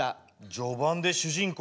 序盤で主人公